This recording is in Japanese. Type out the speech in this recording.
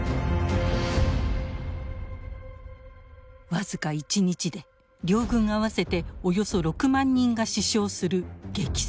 僅か１日で両軍合わせておよそ６万人が死傷する激戦。